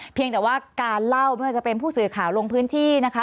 เพียงแต่ว่าการเล่าไม่ว่าจะเป็นผู้สื่อข่าวลงพื้นที่นะคะ